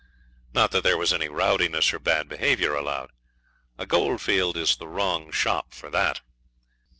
Not that there was any rowdiness or bad behaviour allowed. A goldfield is the wrong shop for that.